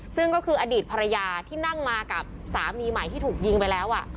ซึ่งก็คืออดีตภรรยาที่นั่งมากับสามีใหม่ที่ถูกยิงไปแล้ว